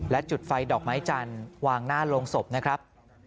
และจุดไฟดอกไม้จันทร์วางหน้าโรงศพนะครับ